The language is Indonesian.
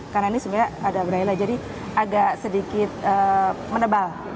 karena ini sebenarnya ada braila jadi agak sedikit menebal